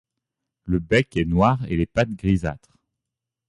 Le bec est noir et les pattes grisâtres.